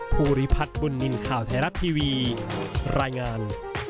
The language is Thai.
ภูริพัฒน์บุญนินทร์ข่าวไทยรัฐทีวีรายงาน